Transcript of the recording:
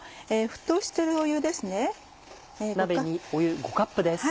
沸騰してる湯ですね。